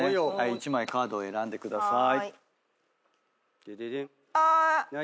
１枚カードを選んでください。